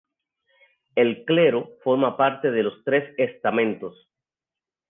El clero forma parte de los tres estamentos.